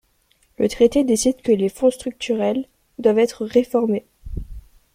Le traité décide que les fonds structurels doivent être réformés.